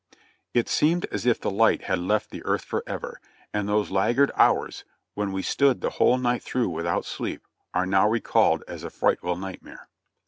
It seemed as if the light had left the earth forever, and those laggard hours, when we stood the whole night through without sleep, are now recalled as a frightful nightmare.